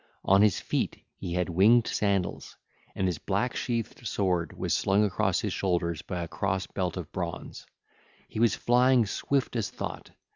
On his feet he had winged sandals, and his black sheathed sword was slung across his shoulders by a cross belt of bronze. He was flying swift as thought.